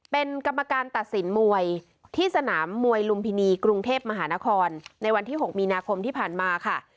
เป็นกรรมการตัดสินมวยที่สนามมวยลุมพินีกรุงเทพมหานครในวันที่๖มีนาคมที่ผ่านมาค่ะ